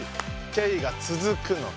ケイがつづくのか。